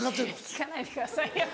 聞かないでくださいよ。